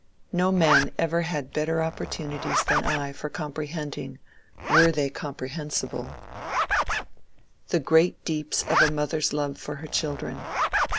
No man ever had better opportunities than I for comprehending, were they comprehensible, the great deeps of a mother's love for her children.